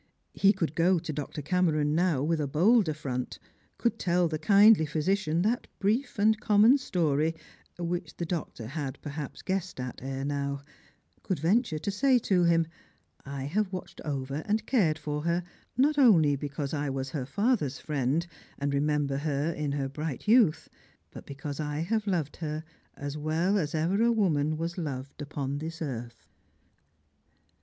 He could go to Dr. Cameron now with a bolder front; could tell the kindly physician that brief and common story which the doctor had perhaps guessed at ere now; could venture to say to him, " I have watched over and cared for her not only because I was her father's friend, and remember her in her bright youth, but because I have loved her as well as ever a woman was loved Qpon this earth."